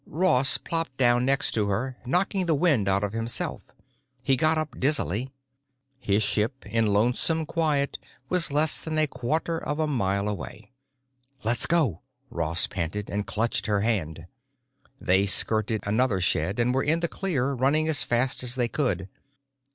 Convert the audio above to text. Ross plopped down next to her, knocking the wind out of himself. He got up dizzily. His ship, in lonesome quiet, was less than a quarter of a mile away. "Let's go," Ross panted, and clutched her hand. They skirted another shed and were in the clear, running as fast as they could.